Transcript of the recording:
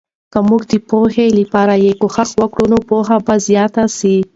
که موږ د پوهې لپاره یې کوښښ وکړو، نو پوهه به زیاته سي.